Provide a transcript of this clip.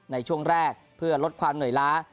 ในช่วงแรกเพื่อลดความเหนื่อยล้า